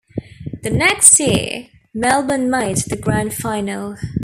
The next year, Melbourne made the Grand Final.